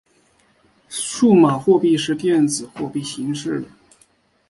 数码货币是电子货币形式的。